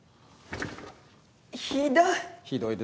ひどい！